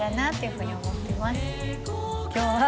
今日は。